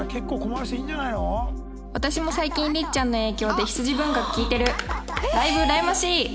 「私も最近りっちゃんの影響で羊文学聴いてるライブうらやましい！」